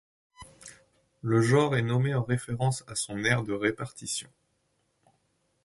Le genre est nommé en référence à son aire de répartition.